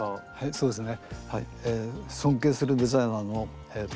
そうですね